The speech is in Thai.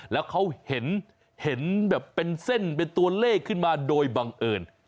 แล้วเขาเห็นแบบเป็นเส้นเป็นตัวเลขขึ้นมาโดยบังเอิญ